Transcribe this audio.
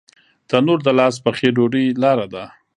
تنور د لاس پخې ډوډۍ لاره ده